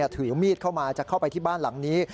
ถือมีดเข้ามาจะเข้าไปที่บ้านหลังนี้